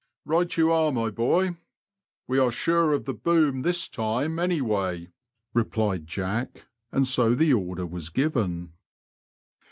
125 Eight you are, my boy ; we are sure of the boom this time, anyway," replied Jack ; and so the order was given.